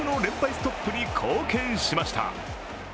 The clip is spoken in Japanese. ストップに貢献しました。